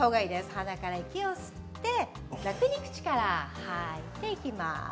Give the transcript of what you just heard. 鼻から吸って楽に口から吐いていきます。